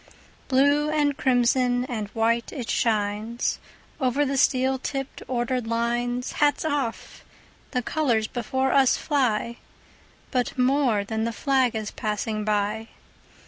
Blue and crimson and white it shines, Over the steel tipped, ordered lines. Hats off! The colors before us fly; But more than the flag is passing by.